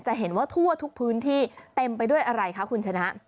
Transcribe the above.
เห็นว่าทั่วทุกพื้นที่เต็มไปด้วยอะไรคะคุณชนะ